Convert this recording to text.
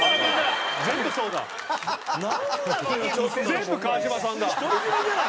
全部川島さんだ。